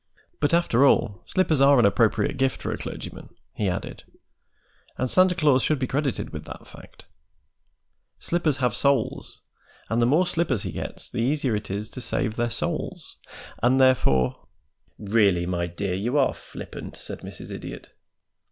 But, after all, slippers are an appropriate gift for a clergyman," he added, "and Santa Claus should be credited with that fact. Slippers have soles, and the more slippers he gets the easier it is to save their soles, and therefore " "Really, my dear, you are flippant," said Mrs. Idiot.